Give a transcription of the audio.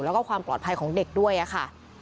แล้วก็ความปลอดภัยของเด็กด้วยค่ะ